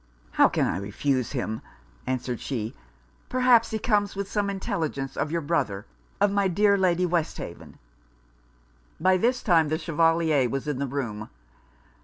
'How can I refuse him?' answered she; 'perhaps he comes with some intelligence of your brother of my dear Lady Westhaven.' By this time the Chevalier was in the room.